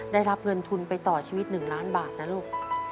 ได้รับเงินทุนไปต่อชีวิต๑ล้านบาทนะลูก